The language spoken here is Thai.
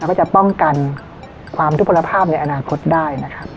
เราก็จะป้องกันความทุกข์ผลภาพในอนาคตได้